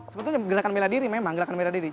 sebetulnya gerakan meladiri memang gerakan meladiri